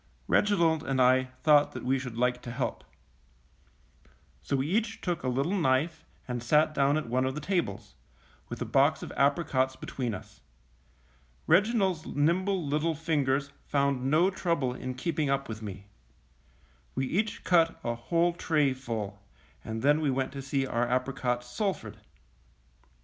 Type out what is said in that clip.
Reginald and I thought that we should like to help. So we each took a little knife and sat down at one of the tables, with a box of apricots between us. Reginald's nimble little fingers found no trouble in keeping up with me. We each cut a whole tray full, and then we went to see our apricots sulphured.